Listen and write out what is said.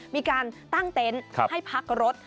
มีการตั้งเต็นต์ให้พักรถ